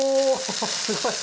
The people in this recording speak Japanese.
すごい！